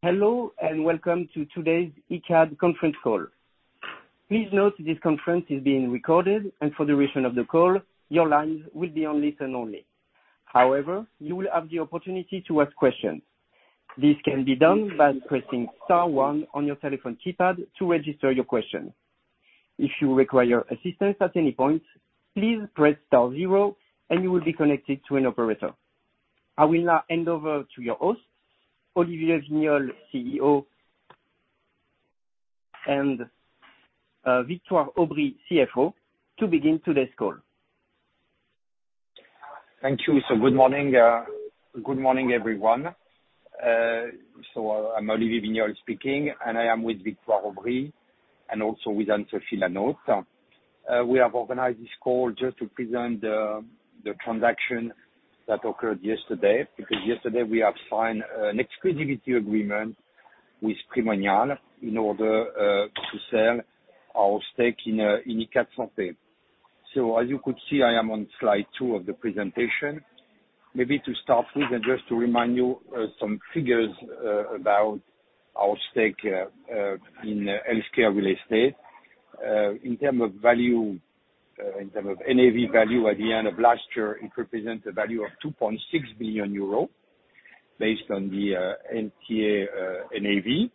Hello, and welcome to today's Icade conference call. Please note this conference is being recorded, and for the duration of the call, your lines will be on listen only. However, you will have the opportunity to ask questions. This can be done by pressing star one on your telephone keypad to register your question. If you require assistance at any point, please press star zero and you will be connected to an operator. I will now hand over to your host, Olivier Wigniolle, CEO, and Victoire Aubry, CFO, to begin today's call. Thank you. Good morning, good morning, everyone. I'm Olivier Wigniolle speaking, and I am with Victoire Aubry, and also with Anne-Sophie Lanaute. We have organized this call just to present the transaction that occurred yesterday. Yesterday we have signed an exclusivity agreement with Primonial in order to sell our stake in Icade Santé. As you could see, I am on slide twoof the presentation. Maybe to start with, and just to remind you, some figures about our stake in healthcare real estate. In term of value, in term of NAV value at the end of last year, it represent a value of 2.6 billion euro based on the NTA, NAV,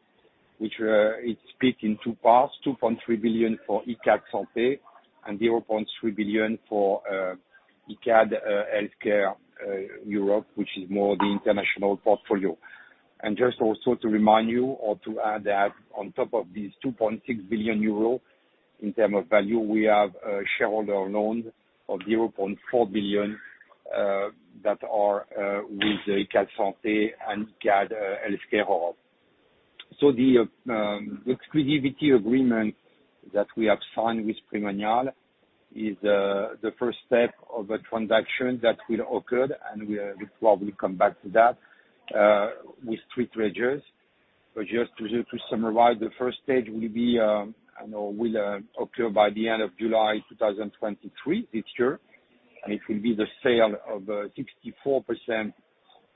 which it's split in two parts, 2.3 billion for Icade Santé, and 0.3 billion for Icade Healthcare Europe, which is more the international portfolio. Just also to remind you, or to add that on top of these 2.6 billion euro in term of value, we have a shareholder loan of 0.4 billion that are with Icade Santé and Icade Healthcare. The exclusivity agreement that we have signed with Primonial is the first step of a transaction that will occur, and we'll probably come back to that with three tranches. Just to summarize, the first stage will be, I know, will occur by the end of July 2023 this year. It will be the sale of 64%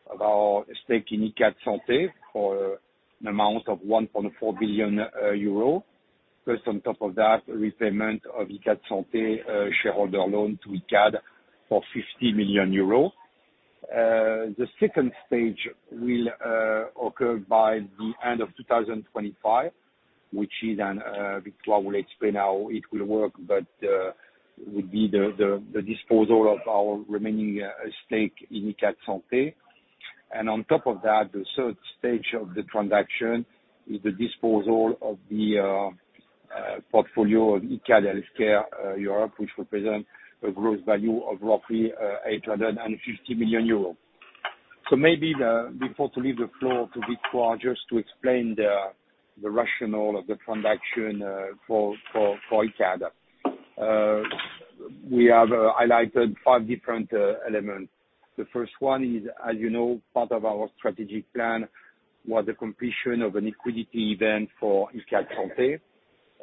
of our stake in Icade Santé for an amount of 1.4 billion euro. Plus on top of that, repayment of Icade Santé shareholder loan to Icade for 50 million euros. The second stage will occur by the end of 2025, which Victoire will explain how it will work, would be the disposal of our remaining stake in Icade Santé. On top of that, the third stage of the transaction is the disposal of the portfolio of Icade Healthcare Europe, which represent a gross value of roughly 850 million euros. So maybe, before to leave the floor to Victoire, just to explain the rationale of the transaction for Icade. We have highlighted five different elements. The first one is, as you know, part of our strategic plan was the completion of a liquidity event for Icade Santé.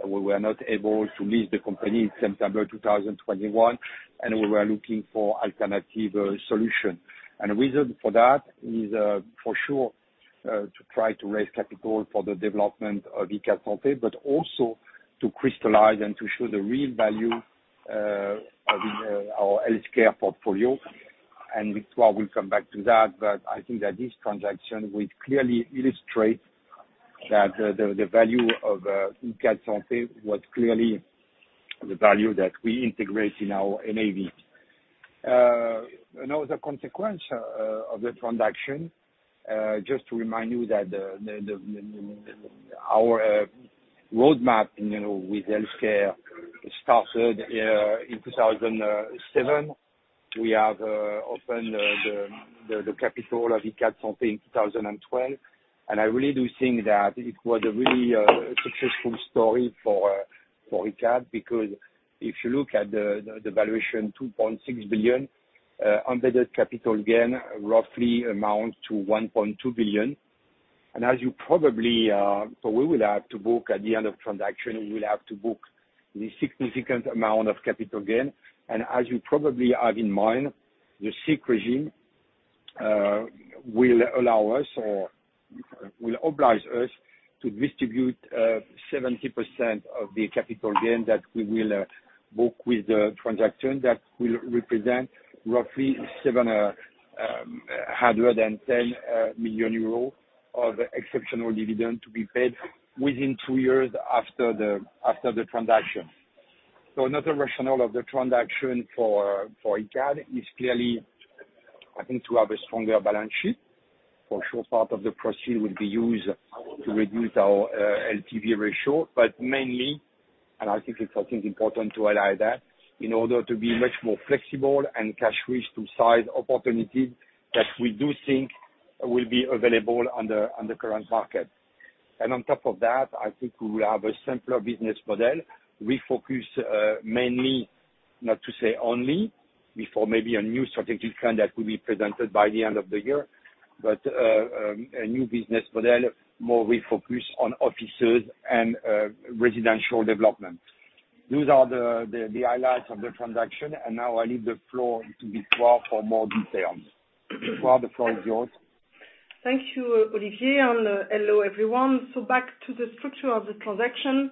We were not able to list the company September 2021, and we were looking for alternative solution. The reason for that is, for sure, to try to raise capital for the development of Icade Santé, but also to crystallize and to show the real value of our healthcare portfolio. Victoire will come back to that, but I think that this transaction will clearly illustrate that the value of Icade Santé was clearly the value that we integrate in our NAV. quence, uh, of the transaction, uh, just to remind you that the, the, our, uh, roadmap, you know, with healthcare started, uh, in 2007. We have, uh, opened, uh, the, the capital of Icade Santé in 2012. And I really do think that it was a really, uh, successful story for, uh, for Icade, because if you look at the, the valuation, 2.6 billion, uh, embedded capital gain roughly amounts to 1.2 billion. And as you probably, uh, so we will have to book, at the end of transaction, we will have to book the significant amount of capital gain. As you probably have in mind, the SIIC regime will allow us or will oblige us to distribute 70% of the capital gain that we will book with the transaction. That will represent roughly 710 million euros of exceptional dividend to be paid within two years after the transaction. Another rationale of the transaction for Icade is clearly, I think, to have a stronger balance sheet. For sure, part of the proceed will be used to reduce our LTV ratio, but mainly, and I think it's important to highlight that, in order to be much more flexible and cash-rich to size opportunities that we do think will be available on the current market. On top of that, I think we will have a simpler business model. Refocus, mainly, not to say only, before maybe a new strategic plan that will be presented by the end of the year, but a new business model, more refocus on offices and residential development. Those are the highlights of the transaction. Now I leave the floor to Victoire for more details. Victoire, the floor is yours. Thank you, Olivier, and hello, everyone. Back to the structure of the transaction.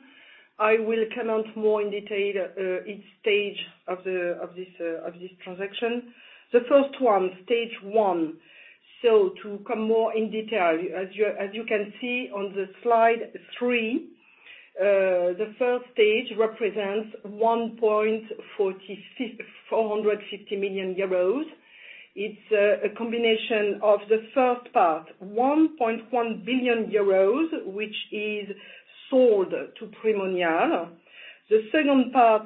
I will comment more in detail each stage of this transaction. The first one, stage one. To come more in detail, as you can see on slide three, the first stage represents 1.45 billion euros. It's a combination of the first part, 1.1 billion euros, which is sold to Primonial. The second part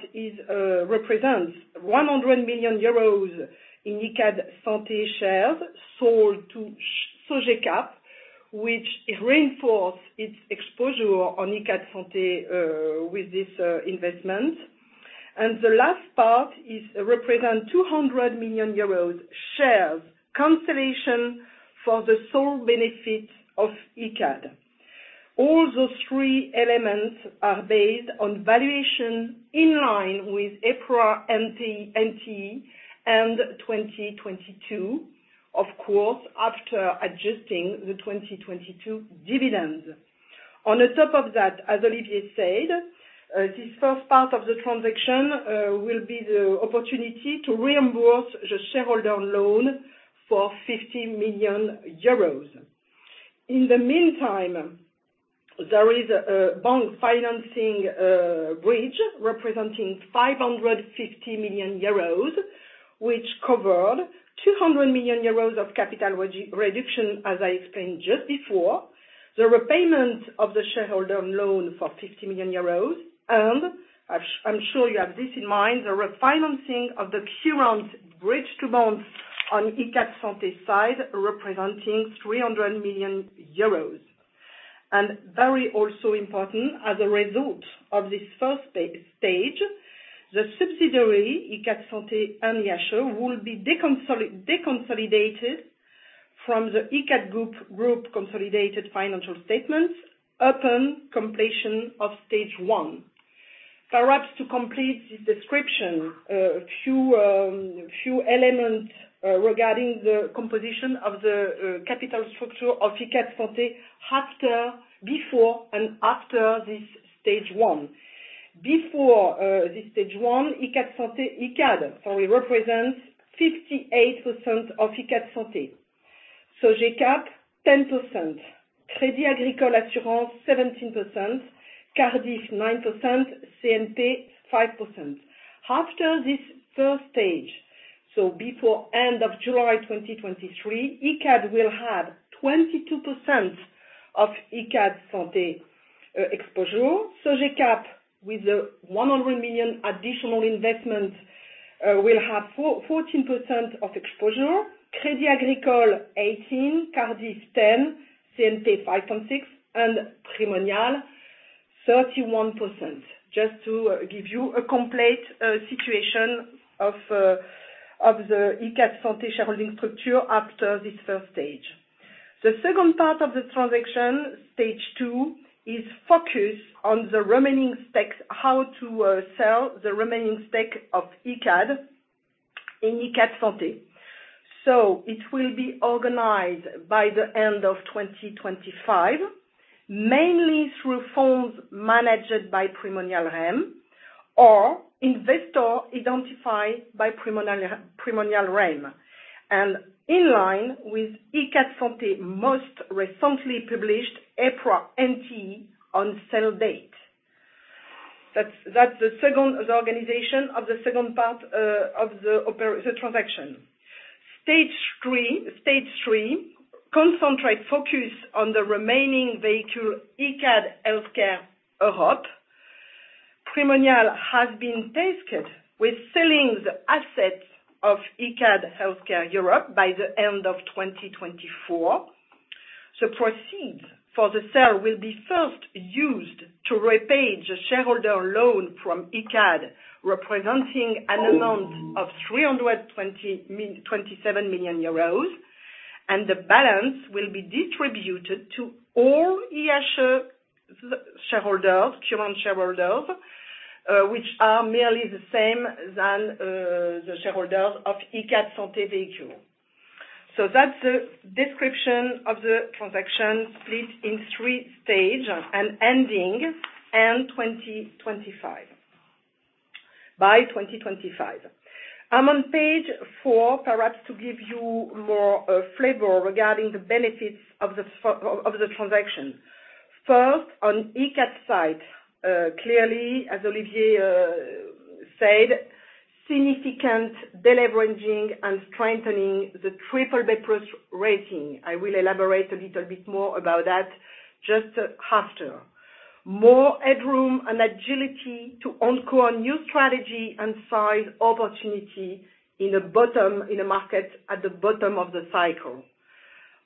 represents 100 million euros in Icade Santé shares sold to Sogecap, which reinforce its exposure on Icade Santé with this investment. The last part represents 200 million euros shares cancellation for the sole benefit of Icade. All those three elements are based on valuation in line with EPRA NTA and 2022. Of course, after adjusting the 2022 dividends. On the top of that, as Olivier said, this first part of the transaction will be the opportunity to reimburse the shareholder loan for 50 million euros. In the meantime, there is a bank financing bridge representing 550 million euros, which covered 200 million euros of capital reduction, as I explained just before. The repayment of the shareholder loan for 50 million euros, and I'm sure you have this in mind, the refinancing of the current bridge to bond on Icade Santé side representing 300 million euros. Very also important, as a result of this first stage, the subsidiary Icade Santé and IHE will be deconsolidated from the Icade group consolidated financial statements upon completion of stage one. Perhaps to complete this description, a few elements regarding the composition of the capital structure of Icade Santé after, before, and after this stage one. Before this stage one, Icade Santé, Icade, it represents 58% of Icade Santé. Sogecap, 10%. Crédit Agricole Assurances, 17%. Cardif, 9%. CNP, 5%. After this first stage, before end of July 2023, Icade will have 22% of Icade Santé exposure. Sogecap, with the 100 million additional investment, will have 14% of exposure. Crédit Agricole, 18%, Cardif, 10%, CNP, 5.6%, and Primonial, 31%. Just to give you a complete situation of the Icade Santé shareholding structure after this first stage. The second part of the transaction, stage two, is focus on the remaining stakes, how to sell the remaining stake of Icade in Icade Santé. It will be organized by the end of 2025, mainly through funds managed by Primonial REIM or investor identified by Primonial REIM. In line with Icade Santé most recently published EPRA NT on sell date. That's the second, the organization of the second part of the transaction. Stage three concentrate focus on the remaining vehicle, Icade Healthcare Europe. Primonial has been tasked with selling the assets of Icade Healthcare Europe by the end of 2024. The proceeds for the sale will be first used to repay the shareholder loan from Icade, representing an amount of 327 million euros, the balance will be distributed to all IAS shareholders, current shareholders, which are merely the same than the shareholders of Icade Santé vehicle. That's the description of the transaction split in three stage and ending end 2025, by 2025. I'm on page four, perhaps to give you more flavor regarding the benefits of the transaction. First, on Icade side, clearly, as Olivier said, significant deleveraging and strengthening the BBB+ rating. I will elaborate a little bit more about that just after. More headroom and agility to incur new strategy and size opportunity in a market at the bottom of the cycle.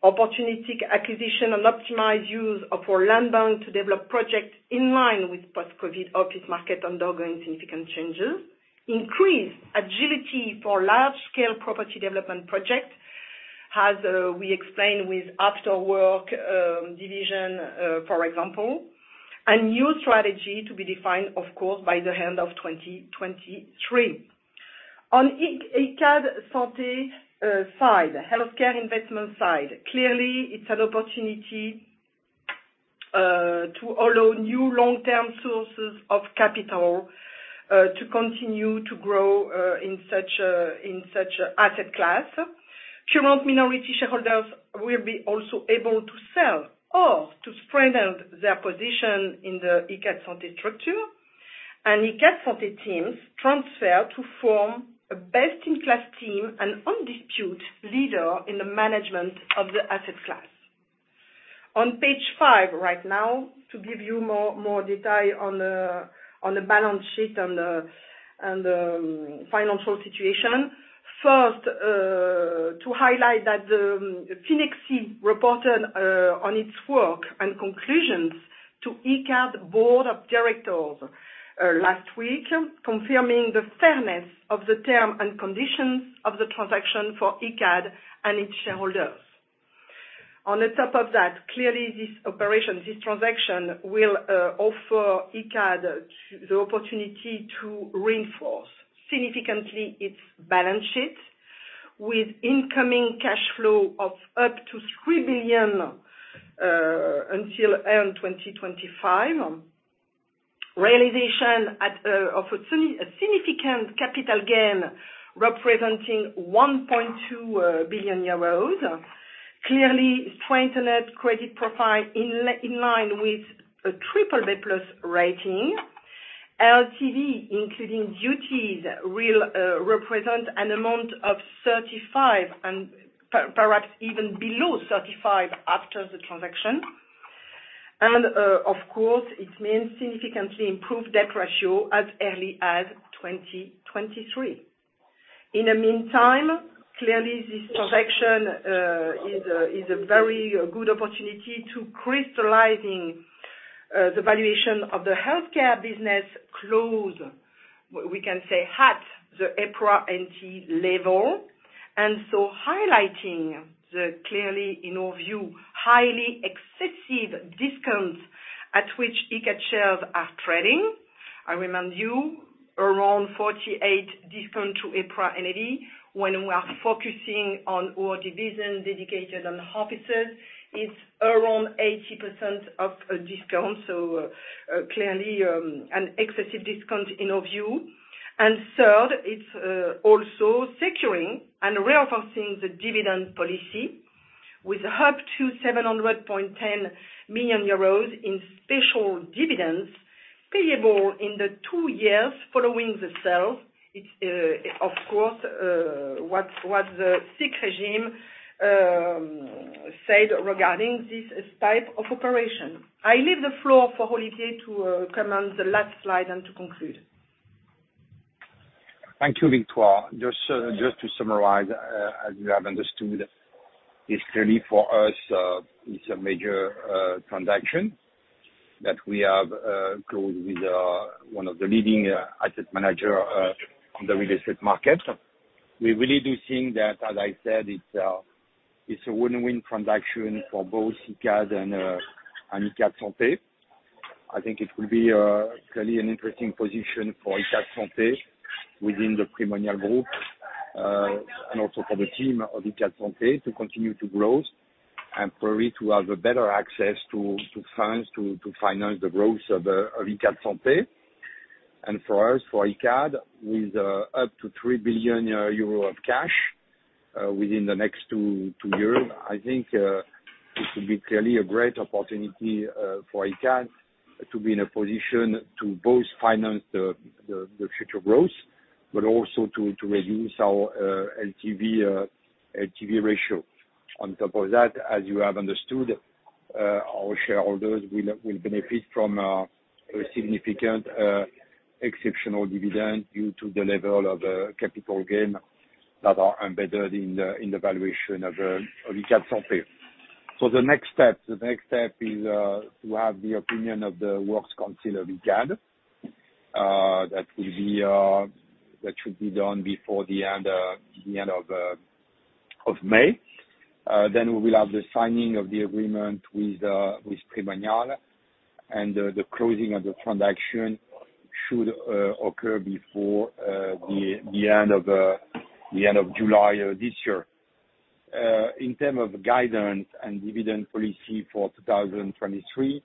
Opportunistic acquisition and optimized use of our land bank to develop projects in line with post-COVID office market undergoing significant changes. Increased agility for large-scale property development projects. We explained with after work division, for example, a new strategy to be defined, of course, by the end of 2023. On Icade Santé side, healthcare investment side, clearly it's an opportunity to allow new long-term sources of capital to continue to grow in such a, in such a asset class. Current minority shareholders will be also able to sell or to strengthen their position in the Icade Santé structure. Icade Santé teams transfer to form a best-in-class team and undisputed leader in the management of the asset class. On page 5 right now, to give you more detail on the, on the balance sheet and financial situation. First, to highlight that Finexsi reported on its work and conclusions to Icade Board of Directors last week, confirming the fairness of the term and conditions of the transaction for Icade and its shareholders. On the top of that, clearly this operation, this transaction will offer Icade the opportunity to reinforce significantly its balance sheet with incoming cash flow of up to 3 billion until end 2025. Realization of a significant capital gain representing 1.2 billion euros. Clearly strengthened credit profile in line with a BBB+ rating. LTV, including duties, will represent an amount of 35%, and perhaps even below 35% after the transaction. Of course, it means significantly improved debt ratio as early as 2023. In the meantime, clearly this transaction is a very good opportunity to crystallizing the valuation of the healthcare business close, we can say, at the EPRA NTA level. Highlighting the, clearly in our view, highly excessive discounts at which Icade shares are trading. I remind you, around 48 discount to EPRA NAV, when we are focusing on our division dedicated on offices, it's around 80% of a discount. Clearly, an excessive discount in our view. Third, it's also securing and reinforcing the dividend policy with up to 700.10 million euros in special dividends payable in the two years following the sale. It's of course what the SIIC regime said regarding this type of operation. I leave the floor for Olivier to comment the last slide and to conclude. Thank you, Victoire. Just to summarize, as you have understood, it's clearly for us, it's a major transaction that we have closed with one of the leading asset manager on the real estate market. We really do think that, as I said, it's a win-win transaction for both Icade and Icade Santé. I think it will be clearly an interesting position for Icade Santé within the Primonial group and also for the team of Icade Santé to continue to grow and for it to have a better access to funds to finance the growth of Icade Santé. For us, for Icade, with up to 3 billion euro of cash within the next two years, I think this will be clearly a great opportunity for Icade to be in a position to both finance the future growth, but also to reduce our LTV LTV ratio. On top of that, as you have understood, our shareholders will benefit from a significant exceptional dividend due to the level of the capital gain that are embedded in the valuation of Icade Santé. The next step is to have the opinion of the Works Council of Icade that will be that should be done before the end of May. the signing of the agreement with Primonial. The closing of the transaction should occur before the end of July this year. In term of guidance and dividend policy for 2023,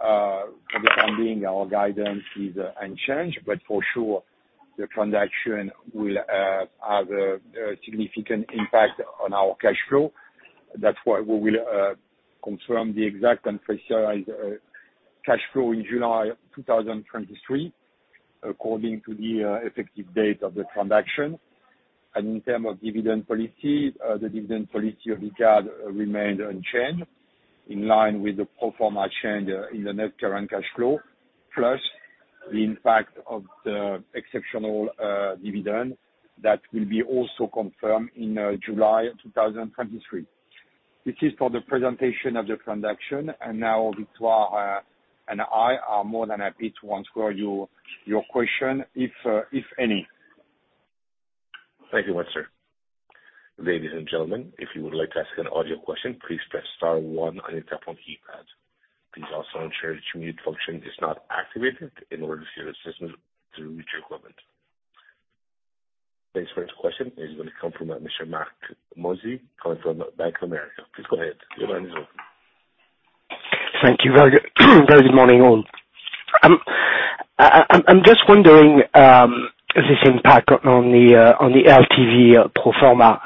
for the time being our guidance is unchanged, but for sure the transaction will have a significant impact on our cash flow. That's why we will confirm the exact and pressurized cash flow in July 2023 according to the effective date of the transaction In term of dividend policy, the dividend policy of Icade remained unchanged in line with the pro forma change in the net current cash flow, plus the impact of the exceptional dividend that will be also confirmed in July 2023. This is for the presentation of the transaction. Now Victoire and I are more than happy to answer your question if any. Thank you, sir. Ladies and gentlemen, if you would like to ask an audio question, please press star one on your telephone keypad. Please also ensure that your mute function is not activated in order to hear the system to mute your equipment. The first question is gonna come from Mr. Marc Mozzi calling from Bank of America. Please go ahead. Your line is open. Thank you. Very good morning, all. I'm just wondering, this impact on the LTV pro forma.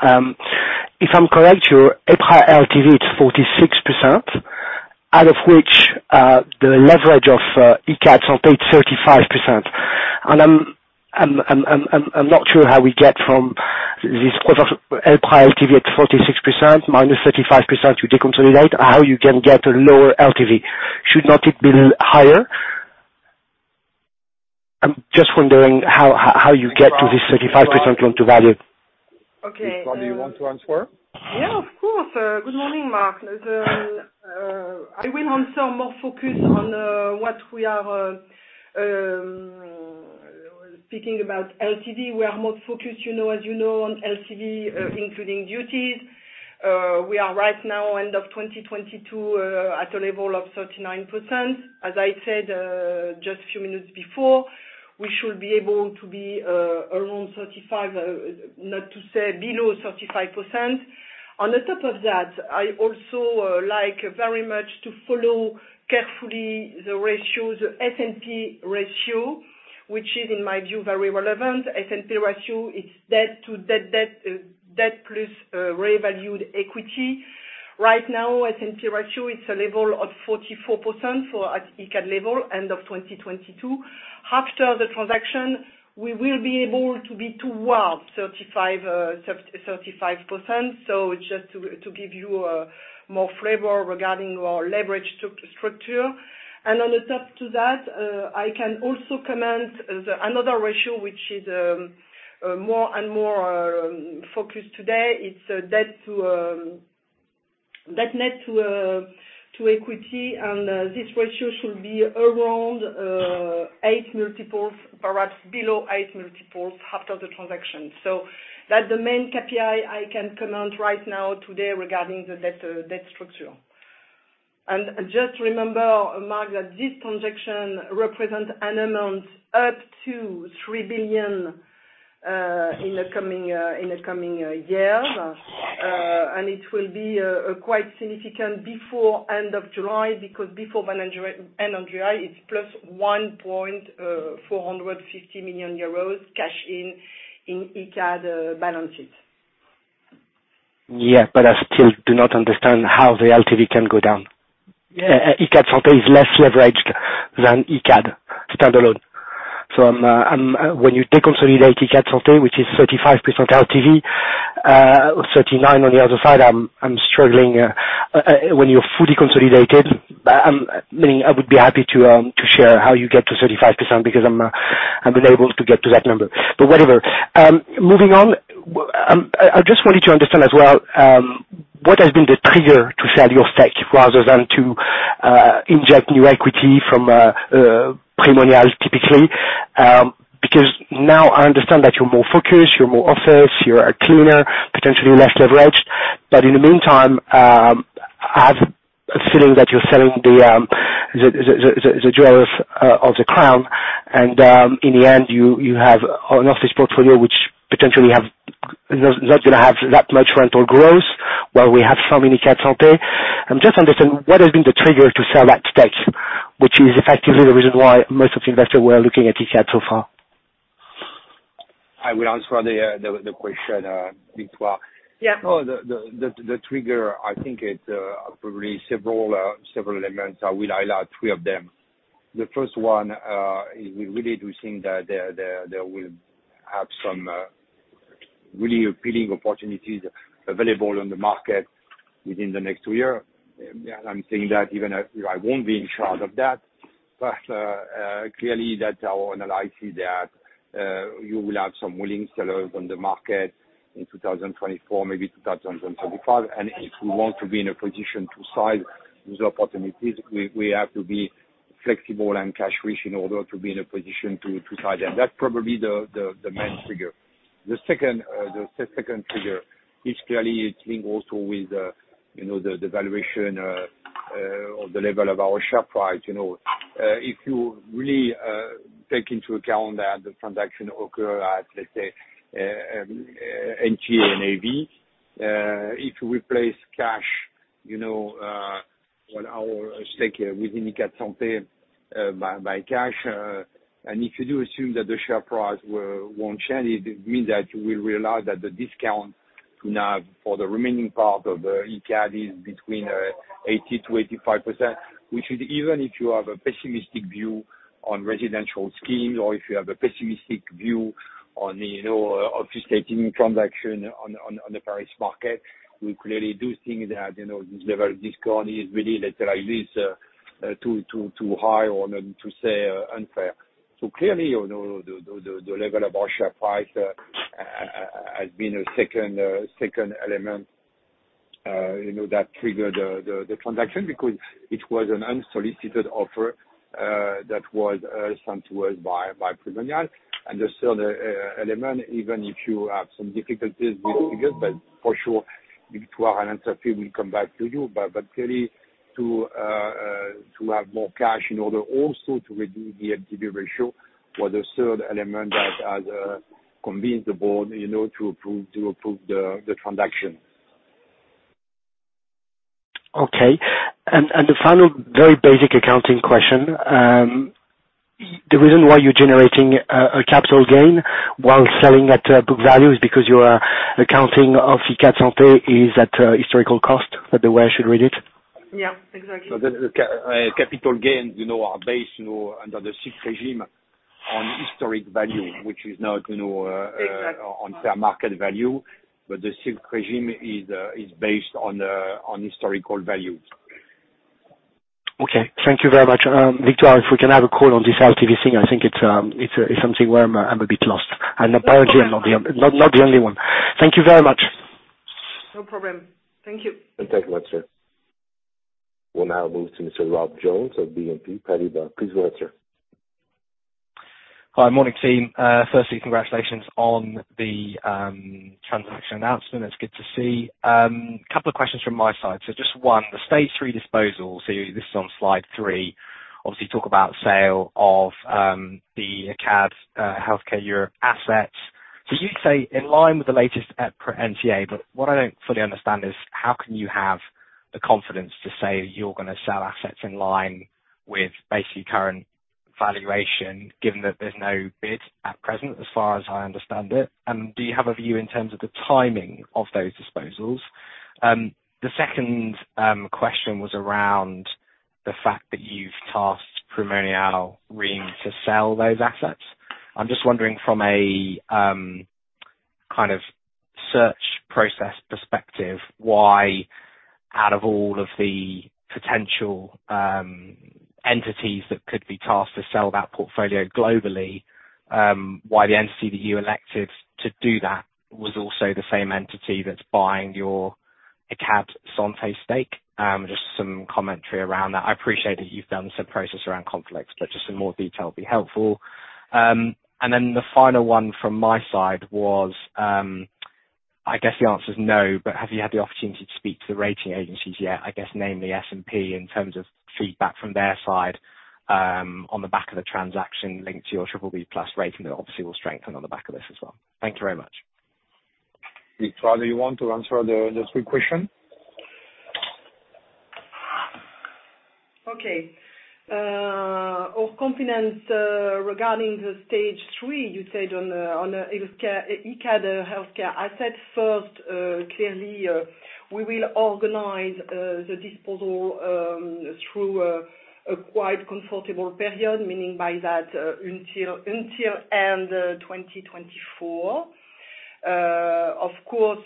If I'm correct, your EPRA LTV is 46%, out of which the leverage of Icade Santé is 35%. I'm not sure how we get from this other EPRA LTV at 46% minus 35% you deconsolidate, how you can get a lower LTV. Should not it be higher? I'm just wondering how you get to this 35% loan to value. Okay. Victoire, you want to answer? Yeah, of course. Good morning, Marc. I will answer more focused on what we are thinking about LTV. We are more focused, you know, as you know, on LTV, including duties. We are right now, end of 2022, at a level of 39%. As I said, just a few minutes before, we should be able to be around 35%, not to say below 35%. On the top of that, I also like very much to follow carefully the ratios, the S&P ratio, which is, in my view, very relevant. S&P ratio, it's debt to debt plus revalued equity. Right now, S&P ratio, it's a level of 44% for at Icade level, end of 2022. After the transaction, we will be able to be toward 35%, 35%. Just to give you more flavor regarding our leverage structure. On the top to that, I can also comment the another ratio, which is more and more focused today. It's debt to debt net to equity. This ratio should be around eight multiples, perhaps below eight multiples, after the transaction. That's the main KPI I can comment right now today regarding the debt structure. Just remember, Marc, that this transaction represents an amount up to 3 billion in the coming year. It will be quite significant before end of July, because before end of July, it's plus EUR 1.45 million cash in Icade balances. Yeah, I still do not understand how the LTV can go down. Yeah. Icade Santé is less leveraged than Icade standalone. I'm when you take consolidated Icade Santé, which is 35% LTV, 39 on the other side, I'm struggling when you're fully consolidated, meaning I would be happy to share how you get to 35% because I'm unable to get to that number. Whatever. Moving on, I just wanted to understand as well, what has been the trigger to sell your stake rather than to inject new equity from Primonial typically? Because now I understand that you're more focused, you're more office, you are cleaner, potentially less leveraged. In the meantime, I have a feeling that you're selling the jewels of the crown. In the end, you have an office portfolio which potentially is not gonna have that much rental growth, while we have some in Icade Santé. Just understand what has been the trigger to sell that stake, which is effectively the reason why most of the investors were looking at Icade so far. I will answer the question, Victoire. Yeah. The trigger, I think it's probably several elements. I will highlight three of them. The first one is we really do think that there will have some really appealing opportunities available on the market within the next two year. Yeah, I'm saying that even if I won't be in charge of that. Clearly that our analysis that you will have some willing sellers on the market in 2024, maybe 2025. If we want to be in a position to size these opportunities, we have to be flexible and cash-rich in order to be in a position to size them. That's probably the main trigger. The second, the second trigger is clearly it's linked also with, you know, the valuation or the level of our share price. You know, if you really take into account that the transaction occur at, let's say, NTA NAV, if you replace cash, you know, with our stake within Icade Santé, by cash, and if you do assume that the share price won't change, it means that you will realize that the discount to NAV for the remaining part of Icade is between 80%-85%. Which is even if you have a pessimistic view on residential schemes, or if you have a pessimistic view on, you know, office taking transaction on the Paris market, we clearly do think that, you know, this level of discount is really, let's say, like, this too high or to say unfair. Clearly, you know, the level of our share price has been a second element, you know, that triggered the transaction because it was an unsolicited offer that was sent to us by Primonial. The third element, even if you have some difficulties with it, but for sure, Victoire and Anthony will come back to you. clearly to have more cash in order also to reduce the FTB ratio was the third element that has convinced the board, you know, to approve the transaction. Okay. The final very basic accounting question. The reason why you're generating a capital gain while selling at book value is because your accounting of Icade Santé is at historical cost, is that the way I should read it? Yeah, exactly. The capital gains, you know, are based, you know, under the SIIC regime on historic value, which is not, you know. Exactly On fair market value, but the SIIC regime is based on historical value. Okay, thank you very much. Victoire, if we can have a call on this LTV thing, I think it's something where I'm a bit lost. Apparently I'm not the only one. Thank you very much. No problem. Thank you. Thank you, Mozzi. We'll now move to Mr. Rob Jones of BNP Paribas. Please go ahead, sir. Hi. Morning, team. Firstly, congratulations on the transaction announcement. It's good to see. Couple of questions from my side. Just one, the stage three disposal, this is on slide three, obviously you talk about sale of the Icade Healthcare Europe assets. You say in line with the latest EPRA NTA, but what I don't fully understand is how can you have the confidence to say you're gonna sell assets in line with basically current valuation, given that there's no bid at present, as far as I understand it. Do you have a view in terms of the timing of those disposals? The second question was around the fact that you've tasked Primonial REIM to sell those assets. I'm just wondering from a kind of search process perspective, why out of all of the potential entities that could be tasked to sell that portfolio globally, why the entity you elected to do that was also the same entity that's buying your Icade Santé stake? Just some commentary around that. I appreciate that you've done some process around conflicts, but just some more detail would be helpful. The final one from my side was, I guess the answer is no, but have you had the opportunity to speak to the rating agencies yet, I guess namely S&P in terms of feedback from their side, on the back of the transaction linked to your BBB+ rating that obviously will strengthen on the back of this as well? Thank you very much. Victoire, do you want to answer the three question? Okay. Our confidence regarding the stage three, you said on Icade Healthcare. I said first, clearly, we will organize the disposal through a quite comfortable period, meaning by that, until end 2024. Of course,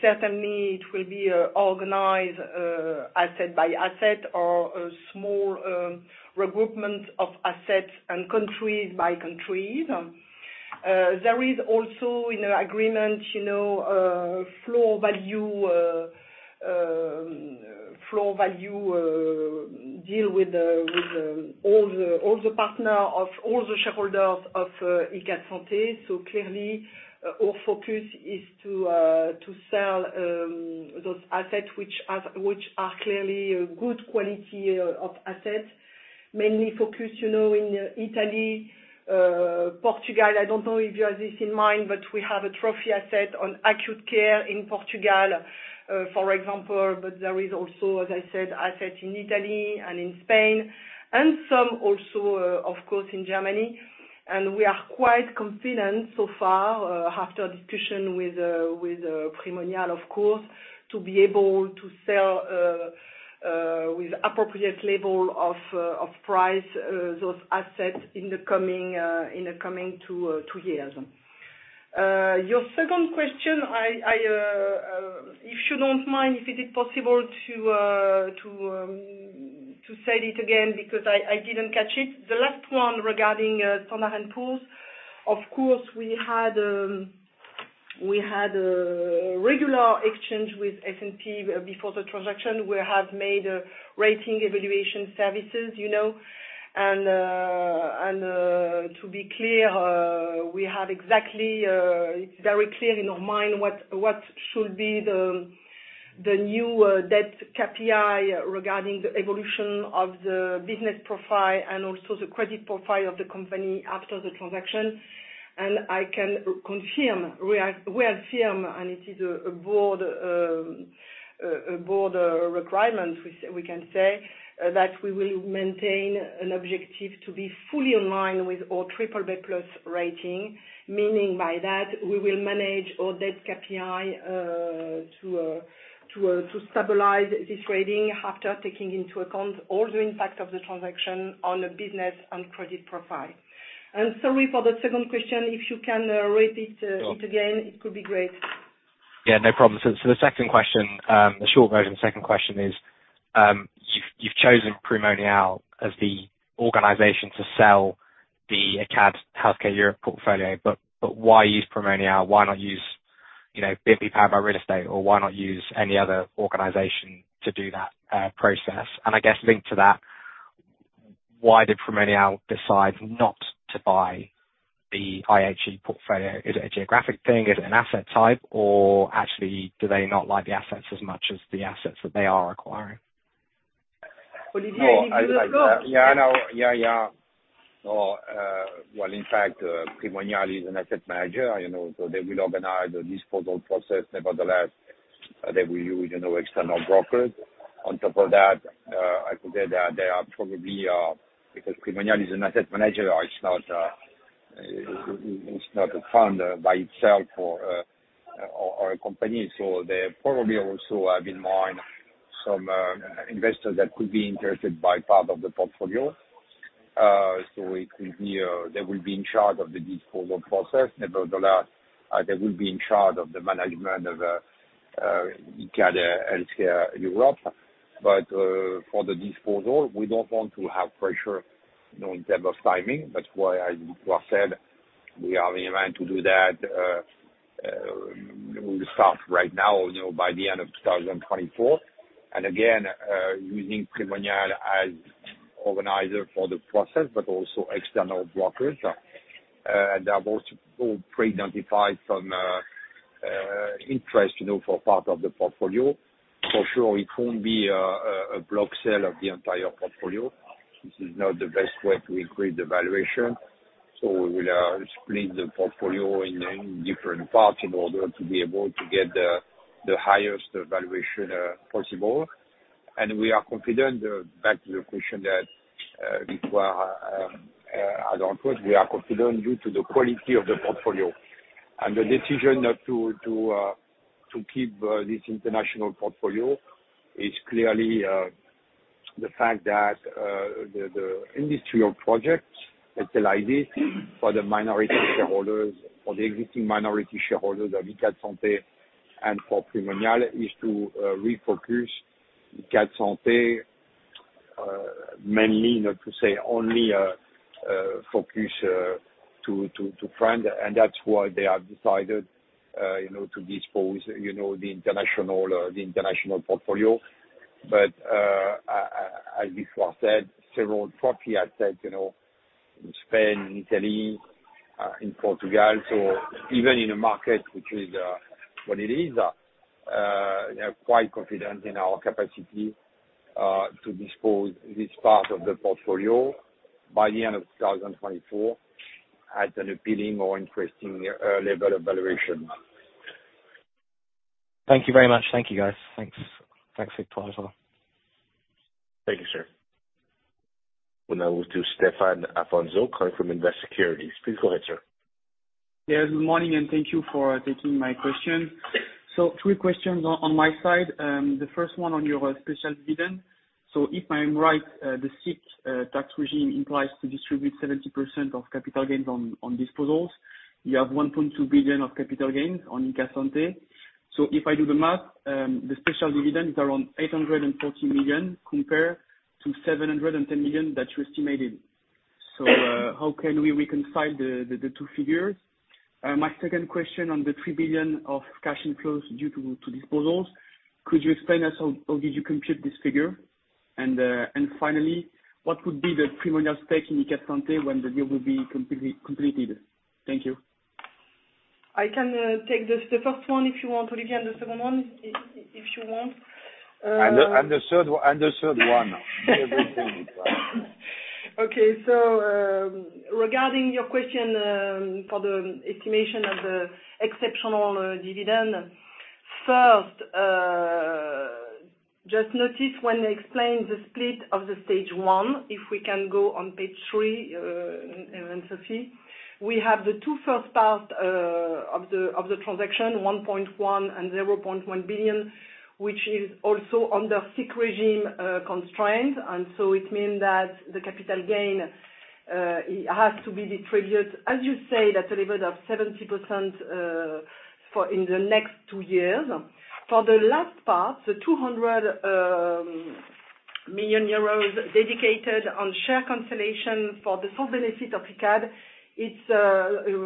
certainly it will be organized asset by asset or a small recruitment of assets and countries by countries. There is also in the agreement, you know, floor value, floor value deal with all the partner of all the shareholders of Icade Santé. Clearly, our focus is to sell those assets which are clearly a good quality of assets, mainly focused, you know, in Italy, Portugal. I don't know if you have this in mind, we have a trophy asset on acute care in Portugal, for example, there is also, as I said, assets in Italy and in Spain, some also, of course, in Germany. We are quite confident so far, after discussion with Primonial, of course, to be able to sell with appropriate level of price, those assets in the coming two years. Your second question, I, if you don't mind, if it is possible to say it again because I didn't catch it. The last one regarding S&P. Of course, we had a regular exchange with S&P before the transaction. We have made rating evaluation services, you know. To be clear, we have exactly it's very clear in our mind what should be the new debt KPI regarding the evolution of the business profile and also the credit profile of the company after the transaction. I can confirm we are firm, and it is a broad requirement, we can say, that we will maintain an objective to be fully in line with our BBB+ rating. Meaning by that, we will manage our debt KPI to stabilize this rating after taking into account all the impact of the transaction on the business and credit profile. Sorry for the second question, if you can, repeat, it again, it could be great. Yeah, no problem. The second question, the short version of the second question is, you've chosen Primonial as the organization to sell the Icade Healthcare Europe portfolio, why use Primonial? Why not use, you know, BNP Paribas Real Estate, or why not use any other organization to do that process? I guess linked to that, why did Primonial decide not to buy the IHE portfolio? Is it a geographic thing? Is it an asset type, or actually do they not like the assets as much as the assets that they are acquiring? Olivier, do you want to go? Yeah. Well, in fact, Primonial is an asset manager, you know, so they will organize the disposal process. Nevertheless, they will use, you know, external brokers. On top of that, I could say that they are probably because Primonial is an asset manager, it's not, it's not a fund by itself or a company, so they probably also have in mind some investors that could be interested by part of the portfolio. So it could be, they will be in charge of the disposal process. Nevertheless, they will be in charge of the management of Icade Healthcare Europe. But for the disposal, we don't want to have pressure, you know, in terms of timing. That's why I, Victoire said, we are in the line to do that, we'll start right now, you know, by the end of 2024. Again, using Primonial as organizer for the process, but also external brokers. They're also all pre-identified from interest, you know, for part of the portfolio. For sure, it won't be a block sale of the entire portfolio. This is not the best way to increase the valuation. We will split the portfolio in different parts in order to be able to get the highest valuation possible. We are confident, back to your question that Victoire asked. We are confident due to the quality of the portfolio. The decision not to keep this international portfolio is clearly the fact that the industrial project, Icade, for the minority shareholders, for the existing minority shareholders of Icade Santé and for Primonial is to refocus Icade Santé mainly not to say only focus to France. That's why they have decided, you know, to dispose, you know, the international, the international portfolio. As Victoire said, several property assets, you know, in Spain, Italy, in Portugal. Even in a market which is what it is, we are quite confident in our capacity to dispose this part of the portfolio by the end of 2024, at an appealing or interesting level of valuation. Thank you very much. Thank you, guys. Thanks. Thanks, Victoire, as well. Thank you, sir. We'll now move to Stéphane Afonso calling from Allinvest. Please go ahead, sir. Good morning, and thank you for taking my question. Three questions on my side. The first one on your special dividend. If I'm right, the SIIC tax regime implies to distribute 70% of capital gains on disposals. You have 1.2 billion of capital gains on Icade Santé. If I do the math, the special dividend is around 840 million, compare to 710 million that you estimated. How can we reconcile the two figures? My second question on the 3 billion of cash inflows due to disposals, could you explain us how did you compute this figure? Finally, what would be the Primonial stake in Icade Santé when the deal will be completely completed? Thank you. I can, take this, the first one, if you want, Olivier, and the second one, if you want. The third one. Everything. Okay. Regarding your question, for the estimation of the exceptional dividend. First, just notice when I explained the split of the stage one, if we can go on page three, Sophie. We have the two first part of the transaction, 1.1 billion and 0.1 billion, which is also under SIIC regime constraint. It mean that the capital gain has to be distributed, as you say, that delivered of 70%, for in the next two years. For the last part, the 200 million euros dedicated on share cancellation for the full benefit of Icade, it's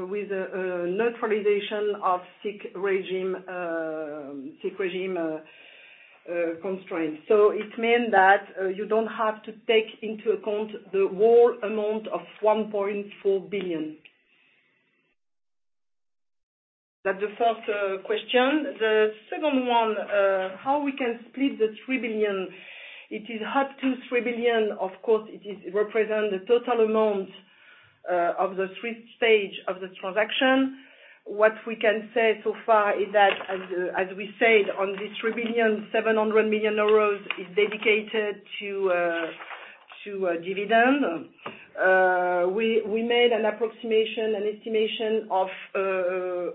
with neutralization of SIIC regime, SIIC regime constraint. It mean that you don't have to take into account the whole amount of 1.4 billion. That's the first question. The second one, how we can split the 3 billion. It is up to 3 billion. Of course, it is represent the total amount of the three stage of this transaction. What we can say so far is that as we said, on this 3 billion, 700 million euros is dedicated to a dividend. We made an approximation, an estimation of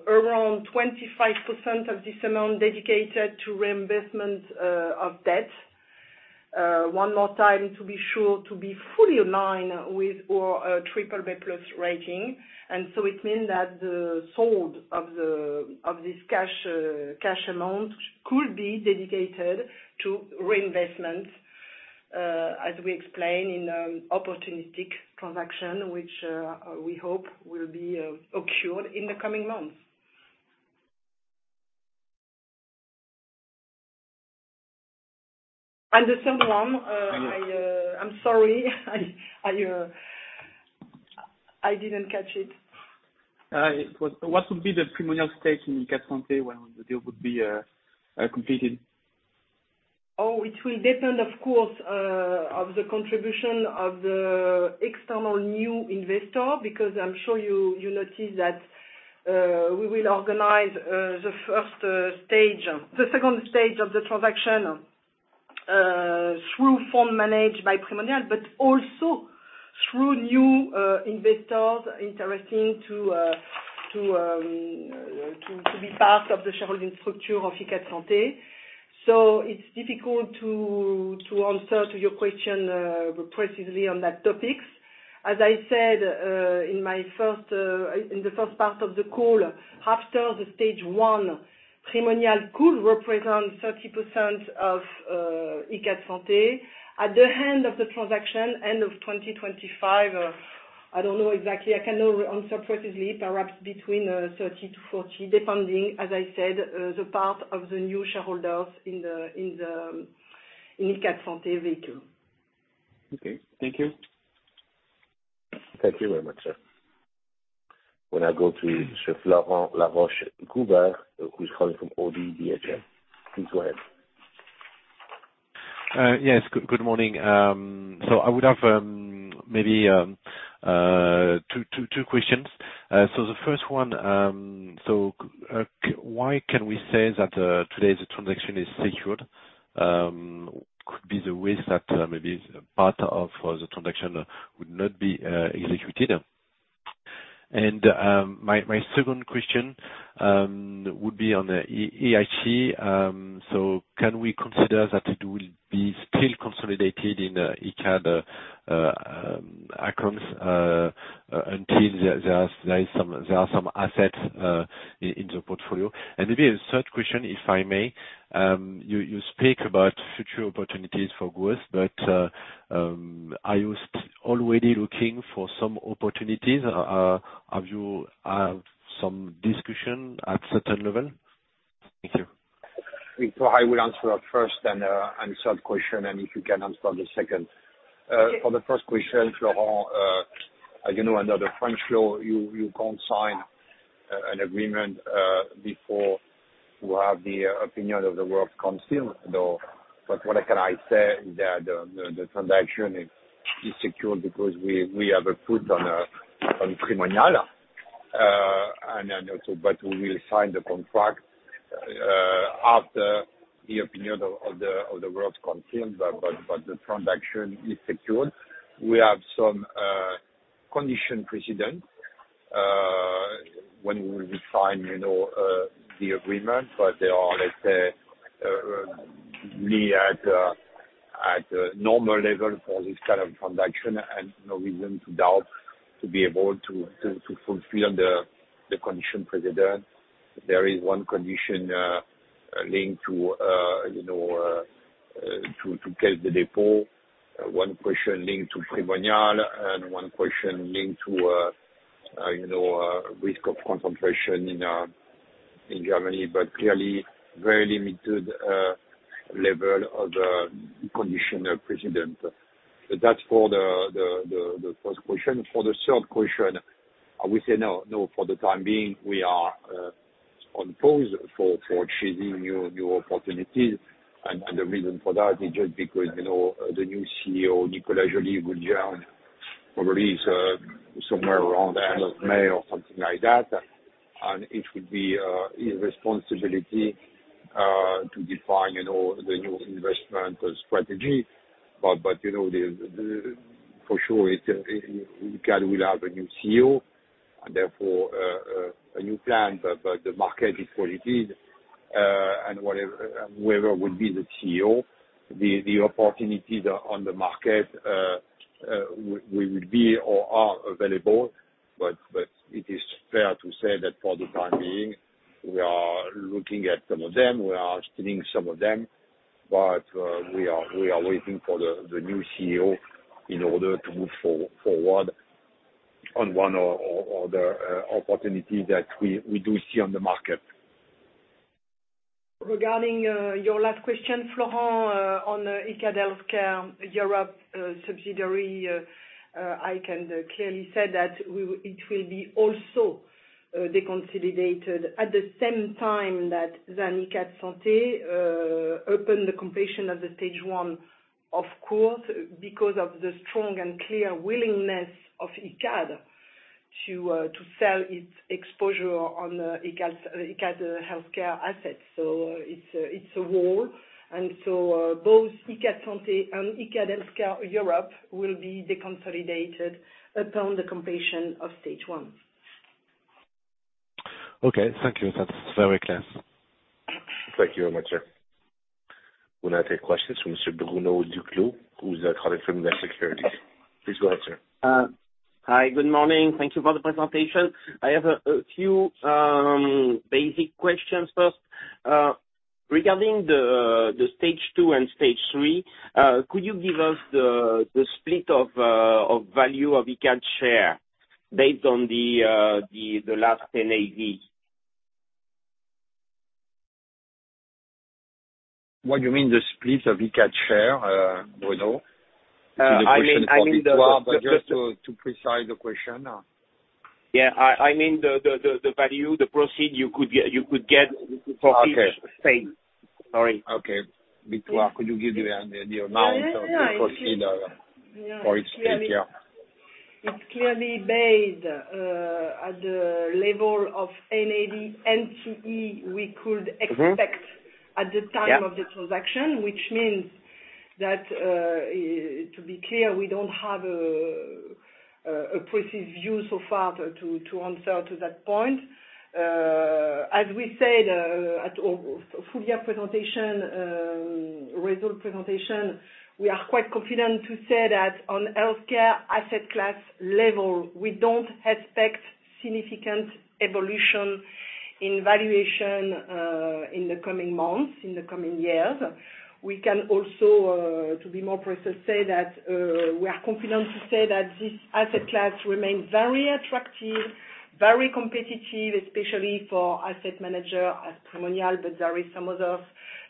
around 25% of this amount dedicated to reimbursement of debt. One more time to be sure to be fully aligned with our BBB+ rating. So it mean that the sole of this cash amount could be dedicated to reinvestment as we explain in opportunistic transaction, which we hope will be occurred in the coming months. The second one, I'm sorry, I didn't catch it. What would be the Primonial stake in Icade Santé when the deal would be completed? It will depend, of course, of the contribution of the external new investor, because I'm sure you notice that, we will organize the first stage, the second stage of the transaction, through fund managed by Primonial, but also through new investors interesting to be part of the shareholding structure of Icade Santé. It's difficult to answer to your question precisely on that topics. As I said, in my first, in the first part of the call, after the stage one, Primonial could represent 30% of Icade Santé. At the end of the transaction, end of 2025, I don't know exactly. I cannot answer precisely, perhaps between 30%-40%, depending, as I said, the part of the new shareholders in the Icade Santé vehicle. Okay. Thank you. Thank you very much, sir. We now go to Mr. Florent Laroche-Joubert, who's calling from ODDO BHF. Please go ahead. Yes. Good morning. I would have maybe two questions. The first one, why can we say that today's transaction is secured? Could be the risk that maybe part of the transaction would not be executed. My second question would be on IHE. Can we consider that it will be still consolidated in Icade accounts until there are some assets in the portfolio? Maybe a third question, if I may. You speak about future opportunities for growth, are you already looking for some opportunities? Have you some discussion at certain level? Thank you. I will answer first and third question, and if you can answer the second. Okay. For the first question, Florent, as you know, under the French law, you can't sign an agreement before you have the opinion of the Works Council, though. What can I say is that the transaction is secured because we have a put on Primonial. Also we will sign the contract after the opinion of the Works Council. The transaction is secured. We have some condition precedent when we will sign, you know, the agreement, but they are, let's say, really at normal level for this kind of transaction and no reason to doubt to be able to fulfill the condition precedent. There is one condition linked to, you know, to Caisse des Dépôts, one question linked to Primonial, and one question linked to, you know, risk of concentration in Germany, but clearly very limited level of the condition precedent. That's for the first question. For the third question, I would say no. No, for the time being, we are on pause for chasing new opportunities. The reason for that is just because, you know, the new CEO, Nicolas Joly, will join probably somewhere around end of May or something like that. It will be his responsibility to define, you know, the new investment strategy. You know, for sure, it Icade will have a new CEO and therefore, a new plan. The market is what it is. Whatever, whoever would be the CEO, the opportunities on the market will be or are available. It is fair to say that for the time being, we are looking at some of them. We are screening some of them, but we are waiting for the new CEO in order to move forward on one or other opportunity that we do see on the market. Regarding, your last question, Florent, on Icade Healthcare Europe, subsidiary, I can clearly say that it will be also deconsolidated at the same time that than Icade Santé, open the completion of the stage one, of course, because of the strong and clear willingness of Icade to sell its exposure on, Icade healthcare assets. It's a whole. Both Icade Santé and Icade Healthcare Europe will be deconsolidated upon the completion of stage one. Okay. Thank you. That's very clear. Thank you very much, sir. We'll now take questions from Mr. Bruno Duclos, who's calling from Invest Securities. Please go ahead, sir. Hi, good morning. Thank you for the presentation. I have a few basic questions first. Regarding the stage two and stage three, could you give us the split of value of Icade share based on the last NAV? What do you mean the split of Icade share, Bruno? I mean. Just to precise the question. Yeah. I mean the value, the proceed you could get for. Okay. Stage. Sorry. Victoire, could you give the amount of the proceed for each stage, yeah? It's clearly made, at the level of NCE we could expect. Mm-hmm. Yeah.... at the time of the transaction, which means that, to be clear, we don't have a precise view so far to answer to that point. As we said at our full year presentation, result presentation, we are quite confident to say that on healthcare asset class level, we don't expect significant evolution in valuation in the coming months, in the coming years. We can also, to be more precise, say that we are confident to say that this asset class remains very attractive, very competitive, especially for asset manager as Primonial, but there is some other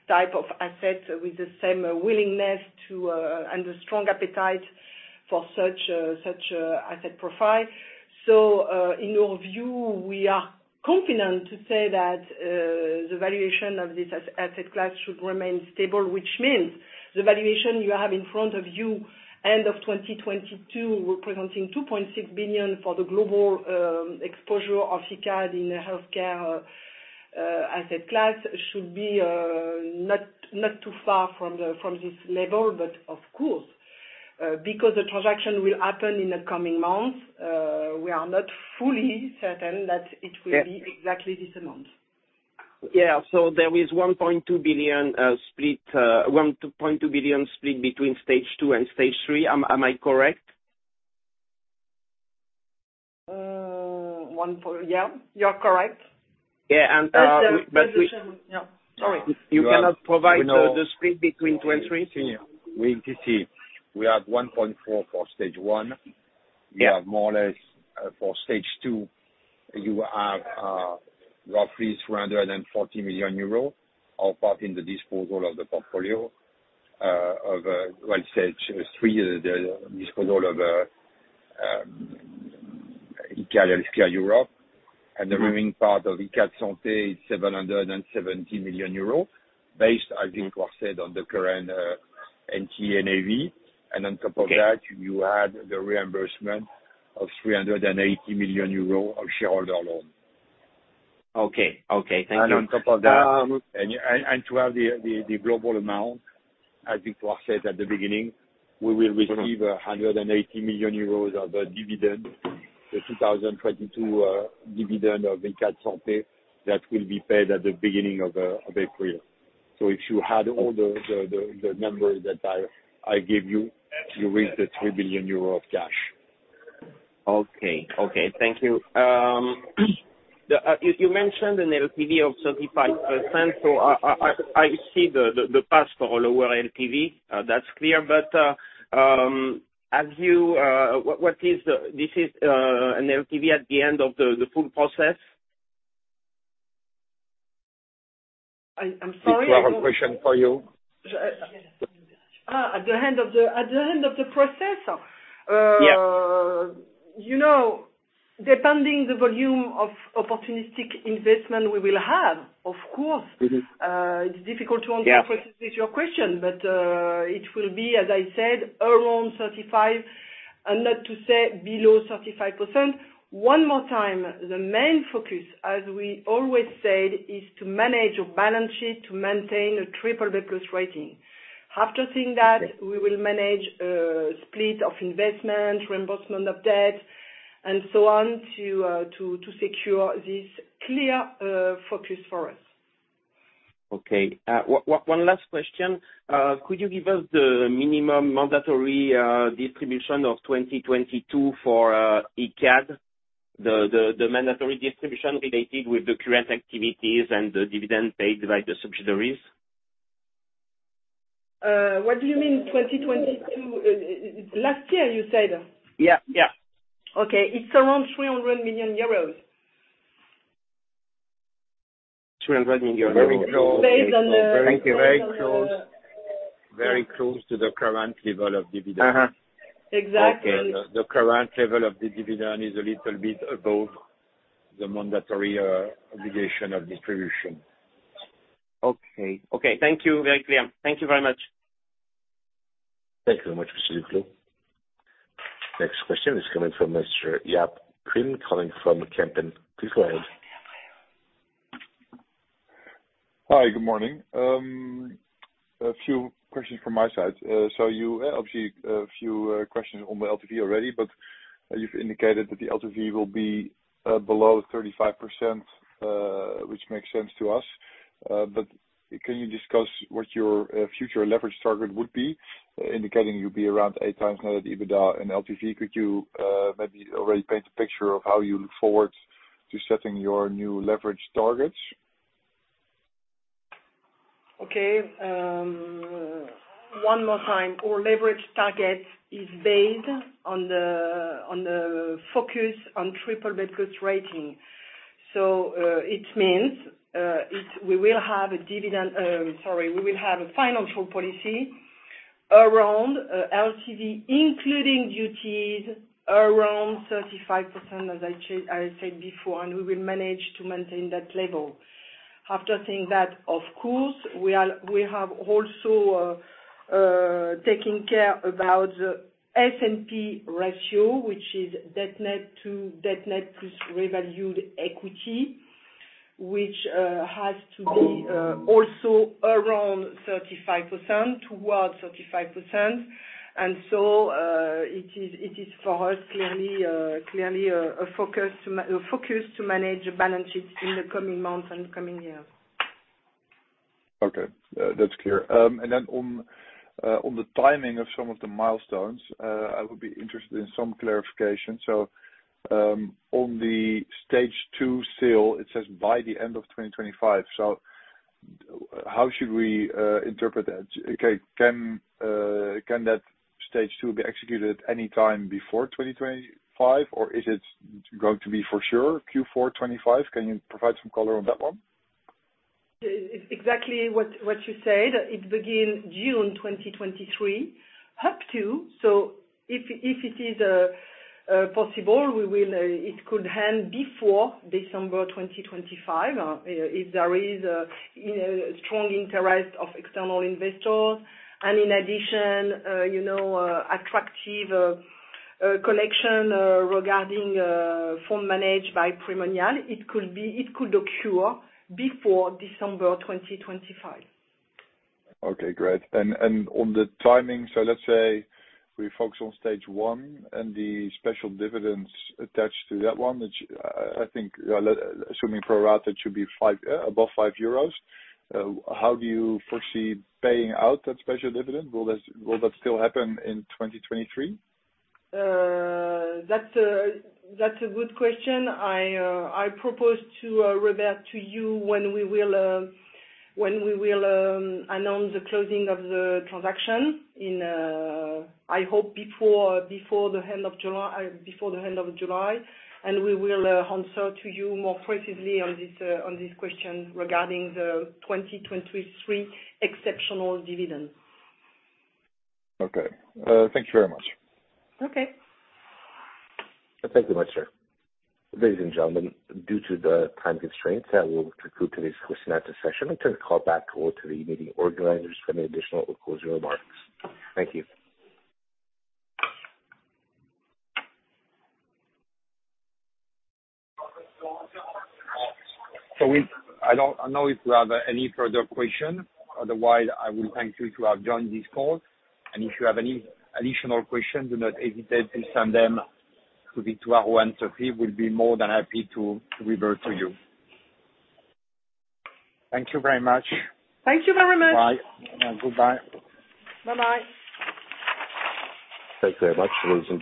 type of assets with the same willingness and the strong appetite for such an asset profile. In our view, we are confident to say that the valuation of this asset class should remain stable, which means the valuation you have in front of you, end of 2022, representing 2.6 billion for the global exposure of Icade in the healthcare asset class, should be not too far from this level. Of course, because the transaction will happen in the coming months, we are not fully certain that it will be exactly this amount. Yeah. There is 1.2 billion split 2.2 billion split between stage two and stage three. Am I correct? Yeah, you're correct. Yeah. Sorry. You cannot provide the split between two and three? We have 1.4 billion for stage one. Yeah. We have more or less, for stage two, you have, roughly 340 million euros, all part in the disposal of the portfolio, of, well, stage three, the disposal of, Icade Healthcare Europe. The remaining part of Icade Santé, 770 million euros, based as Victoire said, on the current, NTA and NAV. Okay. On top of that, you add the reimbursement of 380 million euros of shareholder loan. Okay. Okay. Thank you. On top of that. Um- To have the global amount, as Victoire said at the beginning, we will receive 180 million euros of dividend. The 2022 dividend of Icade Santé, that will be paid at the beginning of April. If you add all the numbers that I give you reach the 3 billion euro of cash. Okay. Thank you. The, you mentioned an LTV of 35%. I see the path for our lower LTV, that's clear. As you, what is the? This is an LTV at the end of the full process? I'm sorry. Victoire, question for you. At the end of the process? Yeah. You know, depending the volume of opportunistic investment we will have, of course. Mm-hmm. It's difficult to answer precisely your question. Yeah. It will be, as I said, around 35%, and not to say below 35%. One more time, the main focus, as we always said, is to manage your balance sheet, to maintain a BBB+ rating. After seeing that. Yeah We will manage, split of investment, reimbursement of debt, and so on, to secure this clear, focus for us. Okay. One last question. Could you give us the minimum mandatory distribution of 2022 for Icade? The mandatory distribution related with the current activities and the dividend paid by the subsidiaries. What do you mean 2022? last year, you said? Yeah. Yeah. Okay. It's around 300 million euros. 300 million euros. Very close. Based on the- Very, very close. Very close to the current level of dividend. Uh-huh. Exactly. Okay. The current level of the dividend is a little bit above the mandatory, obligation of distribution. Okay. Okay. Thank you. Very clear. Thank you very much. Thank you very much, Mr. Duclos. Next question is coming from Mr. Jaap Kuin, calling from Kempen Please go ahead. Hi, good morning. A few questions from my side. You obviously a few questions on the LTV already, but you've indicated that the LTV will be below 35%, which makes sense to us. Can you discuss what your future leverage target would be, indicating you'll be around 8x net EBITDA and LTV? Could you maybe already paint a picture of how you look forward to setting your new leverage targets? One more time. Our leverage target is based on the focus on BBB+ rating. It means we will have a dividend, sorry, we will have a financial policy around LTV, including duties around 35%, as I said before, and we will manage to maintain that level. After saying that, of course, we have also taking care about S&P ratio, which is debt net to debt net plus revalued equity, which has to be also around 35%, towards 35%. It is for us clearly a focus to manage the balance sheet in the coming months and coming years. Okay. That's clear. On the timing of some of the milestones, I would be interested in some clarification. On the stage two sale, it says by the end of 2025. How should we interpret that? Okay, can that stage two be executed any time before 2025? Or is it going to be for sure Q4 2025? Can you provide some color on that one? It's exactly what you said. It begins June 2023, up to. If, if it is possible, we will, it could end before December 2025, if there is a, you know, strong interest of external investors and in addition, you know, attractive collection regarding fund managed by Primonial, it could occur before December 2025. Okay, great. On the timing, let's say we focus on stage one and the special dividends attached to that one, which, I think, assuming pro rata, it should be above 5 euros. How do you foresee paying out that special dividend? Will that still happen in 2023? That's a good question. I propose to revert to you when we will announce the closing of the transaction in I hope before the end of July. We will answer to you more precisely on this question regarding the 2023 exceptional dividend. Okay. Thank you very much. Okay. Thank you very much, sir. Ladies and gentlemen, due to the time constraints, I will conclude today's listening session and turn the call back over to the meeting organizers for any additional or closing remarks. Thank you. I don't know if you have any further questions. Otherwise, I will thank you to have joined this call. If you have any additional questions, do not hesitate to send them to me, to Anne-Sophie. We'll be more than happy to revert to you. Thank you very much. Thank you very much. Bye. Goodbye. Bye-bye. Thank you very much, ladies and gentlemen.